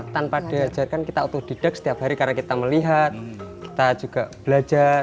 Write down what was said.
tanpa diajarkan kita otodidak setiap hari karena kita melihat kita juga belajar